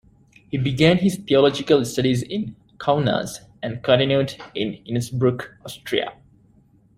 He began his theological studies in Kaunas and continued in Innsbruck, Austria.